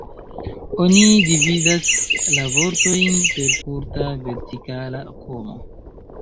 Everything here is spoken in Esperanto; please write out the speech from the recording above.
Oni dividas la vortojn per kurta vertikala komo.